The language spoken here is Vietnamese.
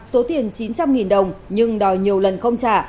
số tiền chín trăm linh đồng nhưng đòi nhiều lần không trả